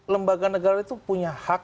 lembaga negara itu punya hak